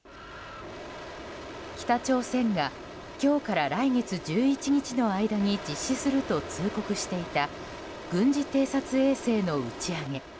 北朝鮮が今日から来月１１日の間に実施すると通告していた軍事偵察衛星の打ち上げ。